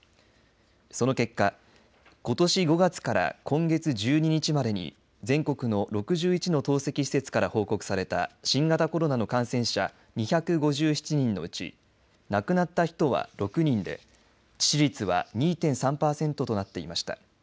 その結果ことし５月から今月１２日までに全国の６１の透析施設から報告された新型コロナの感染者２５７人のうち亡くなった人は６人で致死率は２．３パーセントとなっていました。